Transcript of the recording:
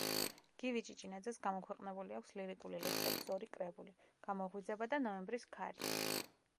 გივი ჭიჭინაძეს გამოქვეყნებული აქვს ლირიკული ლექსების ორი კრებული: „გამოღვიძება“ და „ნოემბრის ქარი“.